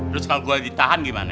terus kalau gue ditahan gimana